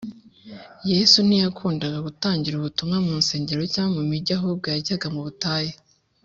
Yesu ntiyakundaga gutangira ubutumwa munsengero cyangwa mu migi ahubwo yajyaga mu butayu